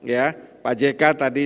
ya pak jk tadi